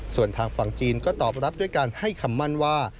ส่วนทางฝั่งจีนก็ตอบรับด้วยการให้คำมั่นว่า